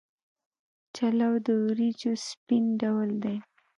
چلو د وریجو سپین ډول دی.